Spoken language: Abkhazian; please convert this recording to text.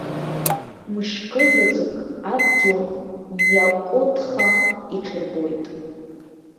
Мышкы заҵәык адгьыл иаҟәыҭха иҽырбоит.